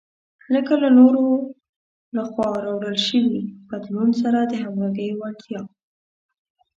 لکه له نورو لخوا راوړل شوي بدلون سره د همغږۍ وړتیا.